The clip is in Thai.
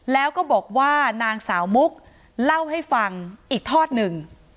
แล้วก็บอกว่านางสาวมุกเล่าให้ฟังอีกทอดหนึ่ง